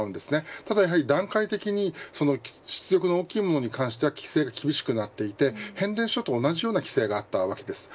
ただやはり、段階的に出力が大きいものに関しては規制が厳しくなっていて変電所と同じような規制があったわけです。